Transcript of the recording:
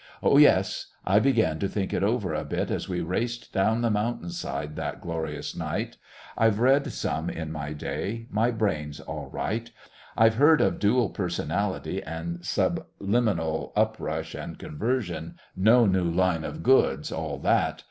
Oh, yes, I began to think it over a bit as we raced down the mountain side that glorious night. I've read some in my day; my brain's all right; I've heard of dual personality and subliminal uprush and conversion no new line of goods, all that.